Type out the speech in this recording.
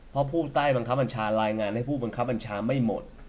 เพราะผู้ใต้บังคับบัญชารายงานให้ผู้บังคับบัญชาไม่หมด